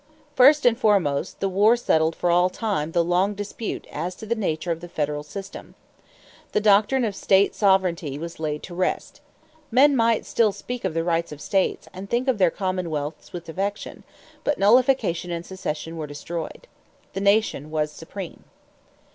= First and foremost, the war settled for all time the long dispute as to the nature of the federal system. The doctrine of state sovereignty was laid to rest. Men might still speak of the rights of states and think of their commonwealths with affection, but nullification and secession were destroyed. The nation was supreme.